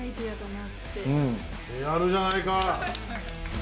やるじゃないか！